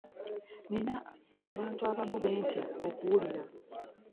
nnina abantu abamu be ntya okuwuliza.